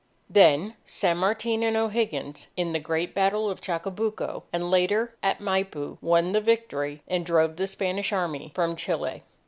Then San Martin and O'Higgins, in the great battle of Chacabuco and later at Maipu, won the victory and drove the Spanish Army from Chile.